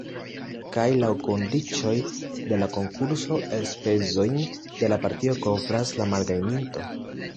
Kaj laŭ kondiĉoj de la konkurso elspezojn de la partio kovras la malgajninto.